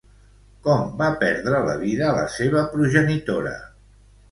Com va perdre la vida la seva progenitora?